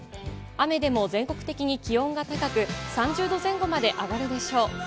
雨でも全国的に気温が高く、３０度前後まで上がるでしょう。